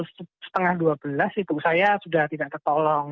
setengah dua belas itu saya sudah tidak tertolong